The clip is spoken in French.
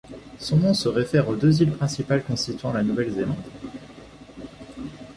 Son nom se réfère aux deux îles principales constituant la Nouvelle-Zélande.